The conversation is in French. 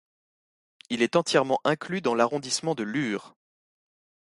Il est entièrement inclus dans l'arrondissement de Lure.